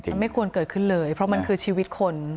มันไม่ควรเกิดขึ้นเลยเพราะมันคือชีวิตคน